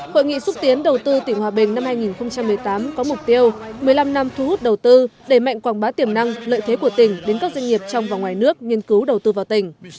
hội nghị xúc tiến đầu tư tỉnh hòa bình năm hai nghìn một mươi tám có mục tiêu một mươi năm năm thu hút đầu tư đẩy mạnh quảng bá tiềm năng lợi thế của tỉnh đến các doanh nghiệp trong và ngoài nước nghiên cứu đầu tư vào tỉnh